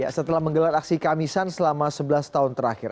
setelah menggelar aksi kamisan selama sebelas tahun terakhir